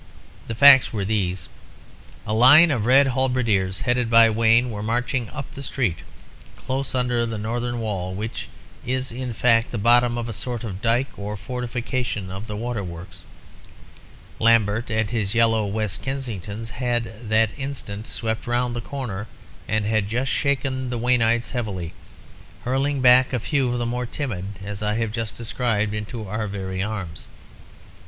The facts were these. A line of red halberdiers, headed by Wayne, were marching up the street, close under the northern wall, which is, in fact, the bottom of a sort of dyke or fortification of the Waterworks. Lambert and his yellow West Kensingtons had that instant swept round the corner and had shaken the Waynites heavily, hurling back a few of the more timid, as I have just described, into our very arms.